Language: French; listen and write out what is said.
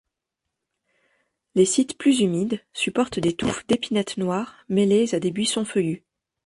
Les sites plus humides supportent des touffes d'épinettes noires mêlées à des buissons feuillus.